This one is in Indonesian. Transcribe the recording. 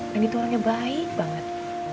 randy tuh orangnya baik banget